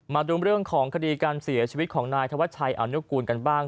มาดูเรื่องของคดีการเสียชีวิตของนายธวัชชัยอนุกูลกันบ้าง